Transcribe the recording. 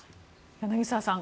柳澤さん